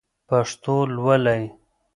پښتو لولئ!